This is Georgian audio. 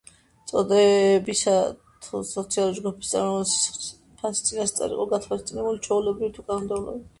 წოდებებისა თი სოციალური ჯგუფების წარმომადგენელთა „სისხლის ფასი“ წინასწარ იყო გათვალისწინებული ჩვეულებით თუ კანონმდებლობაში.